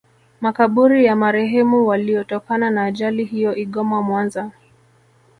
Makaburi ya marehemu waliotokana na ajali hiyo Igoma Mwanza